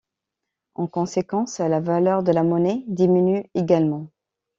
En conséquence, la valeur de la monnaie diminue également.